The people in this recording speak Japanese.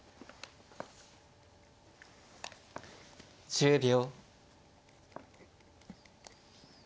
１０秒。